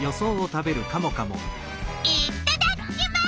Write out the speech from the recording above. いっただっきます！